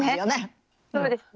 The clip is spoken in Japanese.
そうですね。